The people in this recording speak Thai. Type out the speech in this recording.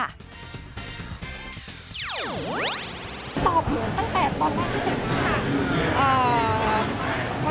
ศาสน์ผลตั้งแต่ตอนว่างที่๑๐นิเวฬค่ะ